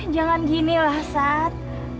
jangan ginilah sat